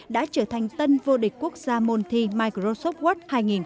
đã trở thành tân vô địch quốc gia môn thi microsoft world hai nghìn hai mươi